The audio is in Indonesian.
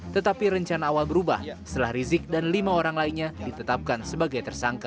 tetapi rencana awal berubah setelah rizik dan lima orang lainnya ditetapkan sebagai tersangka